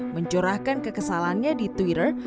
mencorahkan kekesalannya di twitter